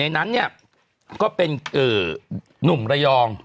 ๑ในนั้นก็เป็นหนุ่มรายอง